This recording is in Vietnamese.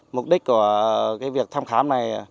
mục đích của việc thăm khám này